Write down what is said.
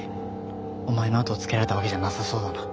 お前のあとをつけられたわけじゃなさそうだな。